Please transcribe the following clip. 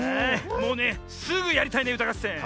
もうねすぐやりたいねうたがっせん。